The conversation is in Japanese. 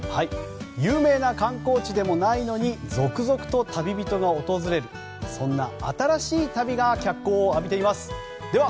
有名な観光地でもないのに続々と旅人が訪れるそんな新しい旅が脚光を浴びています。